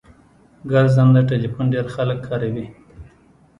ګرځنده ټلیفون ډیر خلګ کاروي